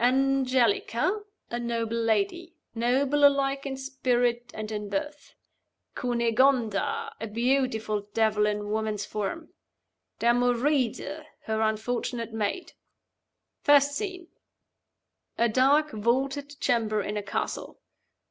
Angelica, a noble lady; noble alike in spirit and in birth. Cunegonda, a beautiful devil in woman's form. Damoride, her unfortunate maid. First scene: a dark vaulted chamber in a castle.